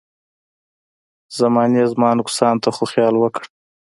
زمانې زما نقصان ته خو خیال وکړه.